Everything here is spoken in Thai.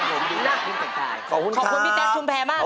ขอบคุณครับขอบคุณพี่แจ๊คชุมแพร่มากครับ